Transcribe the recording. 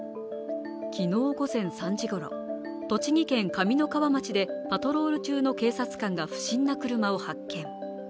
昨日午前３時ごろ、栃木県上三川町でパトロール中の警察官が不審な車を発見。